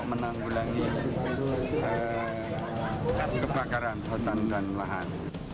menanggulangi kebakaran hutan dan lahan